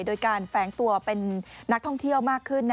โดยการแฝงตัวเป็นนักท่องเที่ยวมากขึ้น